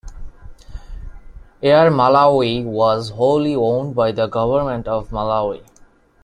Air Malawi was wholly owned by the Government of Malawi.